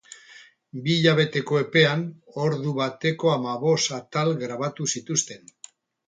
Bi hilabeteko epean ordu bateko hamabost atal grabatu zituzten.